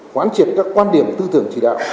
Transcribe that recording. quán triệt các quan điểm tư tưởng chỉ đạo